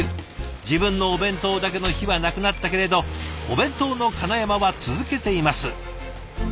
自分のお弁当だけの日はなくなったけれどお弁当のかなやまは続けています。